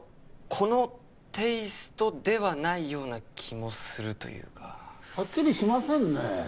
このテイストではないような気もするというかはっきりしませんね